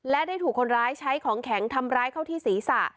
และได้ถูกคนร้ายใช้ของแข็งทำร้ายเข้าที่ศีรษะ